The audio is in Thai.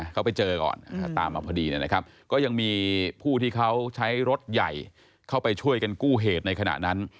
เขาไปเจอก่อนตามมาพอดีนะครับก็ยังมีผู้ที่เขาใช้รถใหญ่เข้าไปช่วยกันกู้เหตุในขณะนั้น